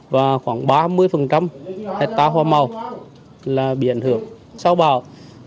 và khoảng ba mươi hệ ta hoa màu là bị ảnh hưởng sau bão